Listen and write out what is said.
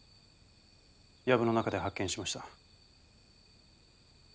やぶの中で発見しました。